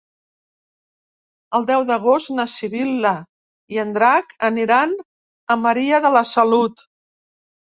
El deu d'agost na Sibil·la i en Drac aniran a Maria de la Salut.